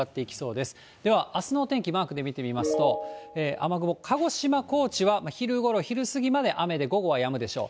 では、明日のお天気、マークで見てみますと、雨雲、鹿児島、高知は昼ごろ、昼過ぎまで雨で、午後はやむでしょう。